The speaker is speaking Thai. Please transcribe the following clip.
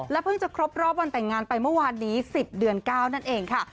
เพิ่งจะครบรอบวันแต่งงานไปเมื่อวานนี้๑๐เดือน๙นั่นเองค่ะ